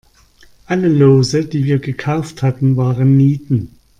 Alle Lose, die wir gekauft hatten, waren Nieten.